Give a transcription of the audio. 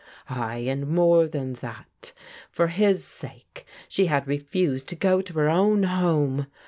Ay, and more than that, for his sake she had refused to go to her own home.